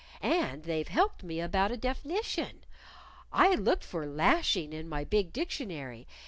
And they've helped me about a def'nition. I looked for 'lashing' in my big dictionary.